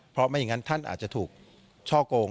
เพราะไม่อย่างนั้นท่านอาจจะถูกช่อกง